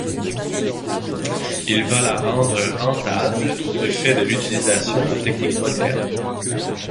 Il va la rendre rentable du fait de l'utilisation de techniques modernes.